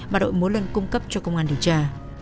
mà đội mối luân cung cấp cho công an điều tra